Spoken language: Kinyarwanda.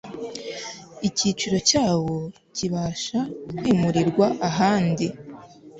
icyicaro cyawo kibasha kwimurirwa ahandi